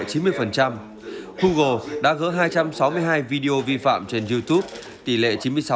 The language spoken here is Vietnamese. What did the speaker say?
google đã gỡ hai trăm sáu mươi hai video vi phạm trên youtube tỷ lệ chín mươi sáu